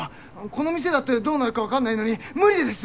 この店だってどうなるか分かんないのに無理です。